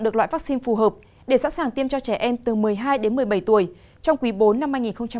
được loại vaccine phù hợp để sẵn sàng tiêm cho trẻ em từ một mươi hai đến một mươi bảy tuổi trong quý bốn năm hai nghìn hai mươi